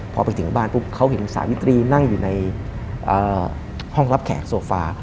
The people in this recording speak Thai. พอไปถึงบ้านปุ๊บเขาเห็นสาวิตรีนั่งอยู่ในห้องรับแขกโซฟา